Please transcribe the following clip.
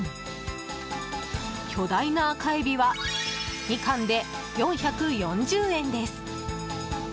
巨大な赤エビは２貫で４４０円です。